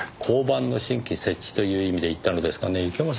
交番の新規設置という意味で言ったのですがねぇ。